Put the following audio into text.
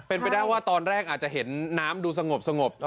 เป็นไปได้ว่าตอนแรกอาจจะเห็นน้ำดูสงบ